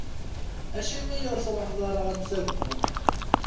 Acim i ur truḥeḍ ara ad d-tagmeḍ?